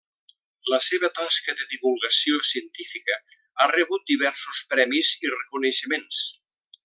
La seva tasca de divulgació científica ha rebut diversos premis i reconeixements.